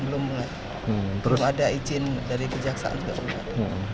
belum belum ada izin dari kejaksaan